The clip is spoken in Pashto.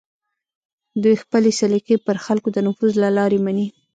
دوی خپلې سلیقې پر خلکو د نفوذ له لارې مني